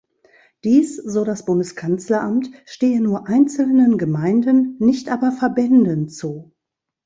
Dies, so das Bundeskanzleramt, stehe nur einzelnen Gemeinden, nicht aber Verbänden zu.